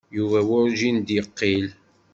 Yuba werǧin d-yeqqil.